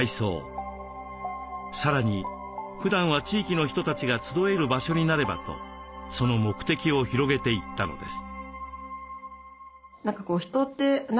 さらにふだんは地域の人たちが集える場所になればとその目的を広げていったのです。